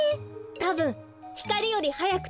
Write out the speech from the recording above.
たぶんひかりよりはやくとべば。